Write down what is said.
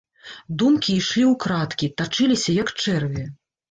Думкі ішлі ўкрадкі, тачыліся, як чэрві.